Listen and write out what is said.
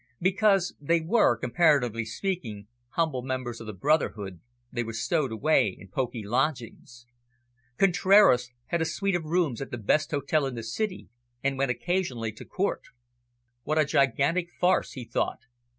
Because they were, comparatively speaking, humble members of the brotherhood, they were stowed away in poky lodgings. Contraras had a suite of rooms at the best hotel in the city, and went occasionally to Court. "What a gigantic farce," he thought.